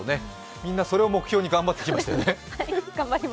みんな、それを目標に頑張ってきましたよね。